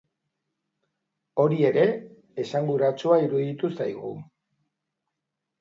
Hori ere esanguratsua iruditu zaigu.